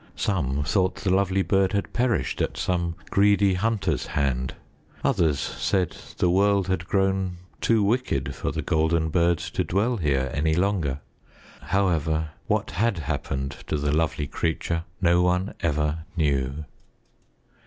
Some thought the lovely bird had perished at some greedy hunter's hand; others said the world had grown too wicked for The Golden Bird to dwell here any longer. However, what had happened to the lovely creature, no one ever knew.